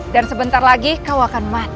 dan sebentar lagi kau akan mati